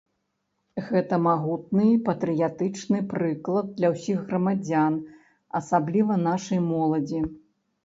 Гэта магутны патрыятычны прыклад для ўсіх грамадзян, асабліва нашай моладзі.